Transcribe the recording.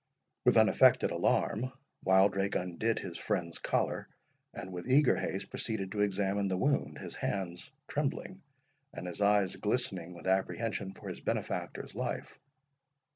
With unaffected alarm, Wildrake undid his friend's collar, and with eager haste proceeded to examine the wound, his hands trembling, and his eyes glistening with apprehension for his benefactor's life.